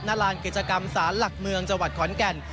ลานกิจกรรมศาลหลักเมืองจังหวัดขอนแก่น